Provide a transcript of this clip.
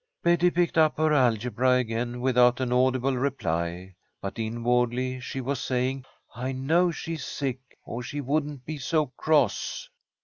Betty picked up her algebra again without an audible reply, but inwardly she was saying: "I know she is sick, or she wouldn't be so cross."